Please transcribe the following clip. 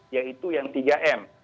yaitu yang tiga m